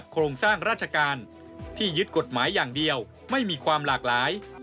โครงสร้างราชการที่ยึดกฎหมายอย่างเดียวไม่มีความหลากหลาย